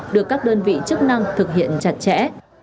được các đơn vị chức năng thực hiện chặt chẽ